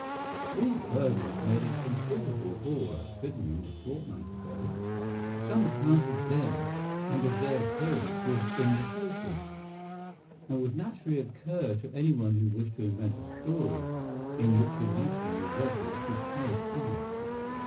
These burglars made a considerable haul at Sydenham a fortnight ago. Some account of them and of their appearance was in the papers, and would naturally occur to anyone who wished to invent a story in which imaginary robbers should play a part.